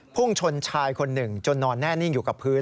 พุ่งชนชายคนหนึ่งจนนอนแน่นิ่งอยู่กับพื้น